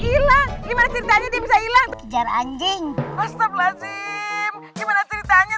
hilang gimana ceritanya bisa hilang kejar anjing astagfirullahaladzim gimana ceritanya